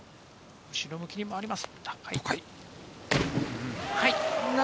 後ろ向きに回ります。